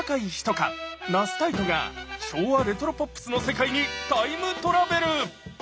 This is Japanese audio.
那須泰斗が昭和レトロポップスの世界にタイムトラベル！